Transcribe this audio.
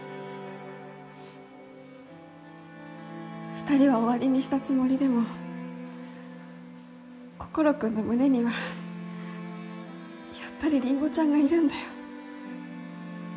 ２人は終わりにしたつもりでも心君の胸にはやっぱりりんごちゃんがいるんだよ